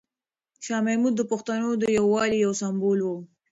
شاه محمود د پښتنو د یووالي یو سمبول و.